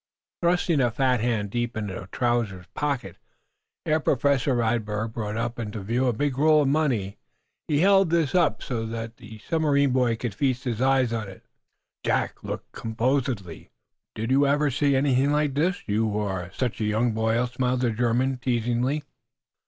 Thrusting a fat hand down deep in a trousers pocket, Herr Professor Radberg brought up into view a big roll of money. He held this up so that the submarine boy could feast his eyes on it. Jack looked, composedly. "Did you ever see anything like this you, who are such a young boy?" smiled the German, teasingly.